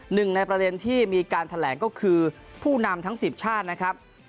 หนึ่งในประเด็นที่มีการแถลงก็คือผู้นำทั้ง๑๐ชาตินะครับ